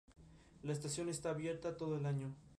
La estación está abierta todo el año.